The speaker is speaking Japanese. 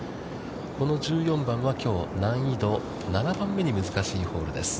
この１４番は、きょう、難易度は７番目に難しいホールです。